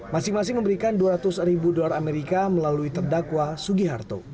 masing masing memberikan dua ratus ribu dolar amerika melalui terdakwa sugiharto